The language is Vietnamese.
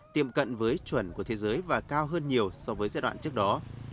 tiệm cận với chuẩn của thế giới và cao hơn nhiều so với giai đoạn trước đó